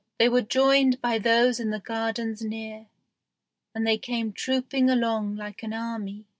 They were joined by those in the gardens near, and they came trooping along like an army.